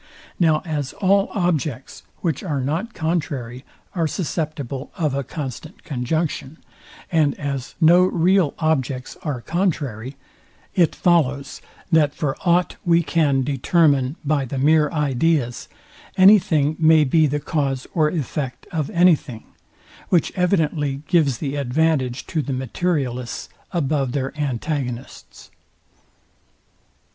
Now as all objects, which are not contrary, are susceptible of a constant conjunction, and as no real objects are contrary: it follows, that for ought we can determine by the mere ideas, any thing may be the cause or effect of any thing; which evidently gives the advantage to the materialists above their antagonists.